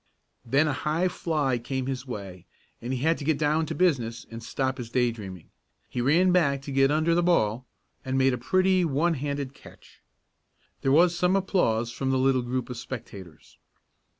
Then a high fly came his way and he had to get down to business and stop his day dreaming. He ran back to get under the ball, and made a pretty one handed catch. There was some applause from the little group of spectators.